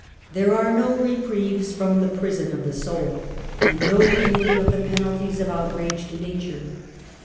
There are no reprieves from the prison of the soul. And no remitting of the penalties of outraged nature.